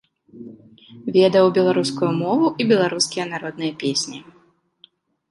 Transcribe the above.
Ведаў беларускую мову і беларускія народныя песні.